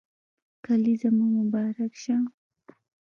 کلېزه مو مبارک شه